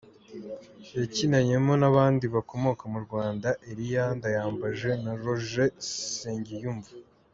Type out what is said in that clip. Yakinanyemo n’abandi bakomoka mu Rwanda, Eriya Ndayambaje na Roger Nsengiyumva.